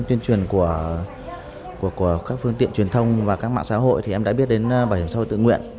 tuyên truyền của các phương tiện truyền thông và các mạng xã hội thì em đã biết đến bảo hiểm xã hội tự nguyện